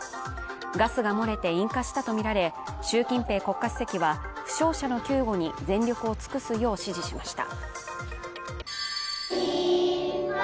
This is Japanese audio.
ガスが漏れて引火したとみられ、習近平国家主席は負傷者の救護に全力を尽くすよう指示しました。